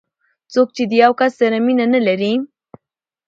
څوک چې د یو کس سره مینه نه لري.